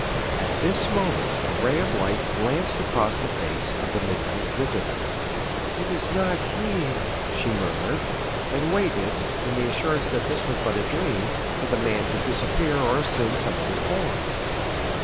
At this moment a ray of light glanced across the face of the midnight visitor. "It is not he," she murmured, and waited, in the assurance that this was but a dream, for the man to disappear or assume some other form.